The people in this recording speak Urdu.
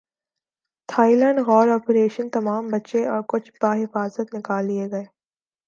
تھائی لینڈ غار اپریشن تمام بچے اور کوچ بحفاظت نکال لئے گئے